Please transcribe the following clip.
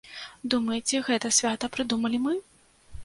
Думаеце, гэта свята прыдумалі мы?